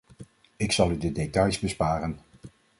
Ik zal u de details besparen.